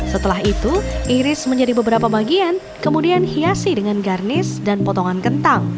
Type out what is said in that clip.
setelah itu iris menjadi beberapa bagian kemudian hiasi dengan garnis dan potongan kentang